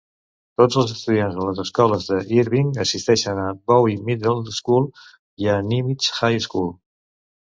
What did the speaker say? Tots els estudiants de les escoles de Irving assisteixen a Bowie Middle School i a Nimitz High School.